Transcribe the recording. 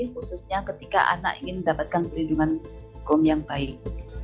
khususnya ketika anak ingin mendapatkan perlindungan hukum yang baik